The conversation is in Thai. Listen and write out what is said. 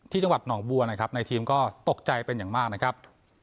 จังหวัดหนองบัวนะครับในทีมก็ตกใจเป็นอย่างมากนะครับ